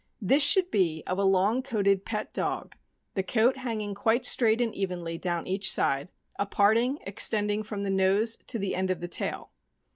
— This should be of a long coated pet dog, the coat hanging quite straight and evenly down each side, a parting extending from the nose to the end of the tail.